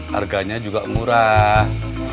harganya juga murah